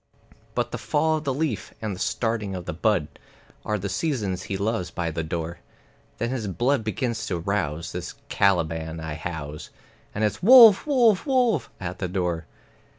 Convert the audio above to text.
But the fall of the leaf and the starting of the bud Are the seasons he loves by the door; Then his blood begins to rouse, this Caliban I house, And it's "Wolf, wolf, wolf!" at the door.